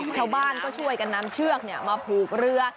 ชาวบ้านก็ช่วยกันนำเชือกมาผูกเรือ